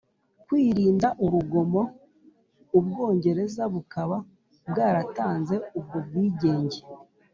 kwirinda urugomo (u bwongereza bukaba bwaratanze ubwo bwigenge